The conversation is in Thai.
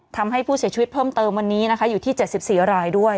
ทำให้ผู้เสียชีวิตเพิ่มเติมวันนี้นะคะอยู่ที่๗๔รายด้วย